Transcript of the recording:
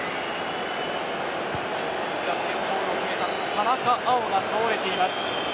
逆転ゴールを決めた田中碧が倒れています。